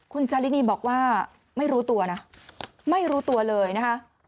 คุณจารินีบอกว่าไม่รู้ตัวนะไม่รู้ตัวเลยนะคะ